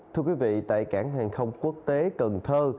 thưa quý vị tại cảng hàng không quốc tế cần thơ